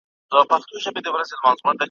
پرېمانۍ ته غویی تللی په حیرت وو ,